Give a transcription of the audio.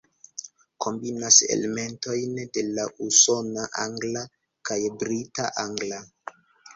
Kombinas elementojn de la usona angla kaj brita angla.